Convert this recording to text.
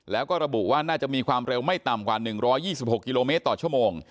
แล้วก็ระบุว่าน่าจะมีความเร็วไม่ต่ำกว่า๑๒๖กิโลเมตรต่อชั่วโมง